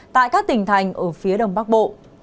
tại các tỉnh thành ở phía đông bắc bộ